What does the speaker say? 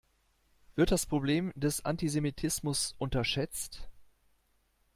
Wird das Problem des Antisemitismus unterschätzt?